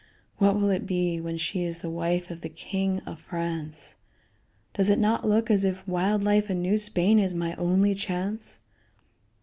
What will it be when she is the wife of the king of France? Does it not look as if wild life in New Spain is my only chance?"